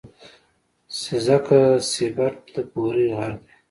سېځگه سېبت د بوري غر دی.